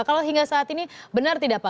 kalau hingga saat ini benar tidak pak